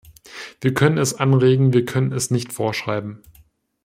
Wir können es anregen, wir können es nicht vorschreiben.